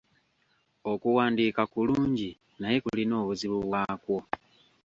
Okuwandiika kulungi naye kulina obuzibu bwakwo.